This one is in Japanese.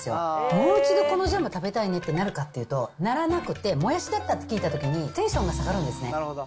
もう一度、このジャム食べたいねってなるかっていうと、ならなくてもやしだって聞いたときにテンション下がるんですね。